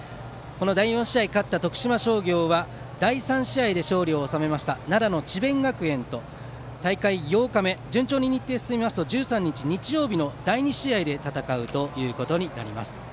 第４試合に勝った徳島商業は第３試合で勝利を収めました奈良の智弁学園と大会８日目、１３日日曜日第２試合で戦うということになります。